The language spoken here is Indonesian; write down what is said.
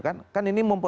dan yang dipilih itu